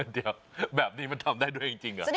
เดี๋ยวแบบนี้มันทำได้ด้วยจริงเหรอ